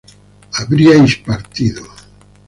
habríais partido